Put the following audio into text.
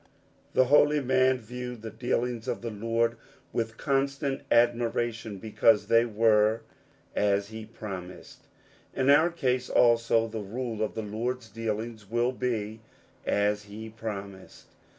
That holy man viewed the dealings of the Lord with constant admiration, because they were "as he promised." In our case, also, the rule of the Lord's dealings will be " as he promised."